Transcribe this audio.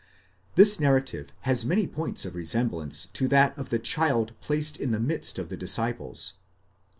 This narrative has many points of resemblance to that of the child placed in the midst of the disciples.